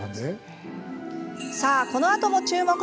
このあとも注目。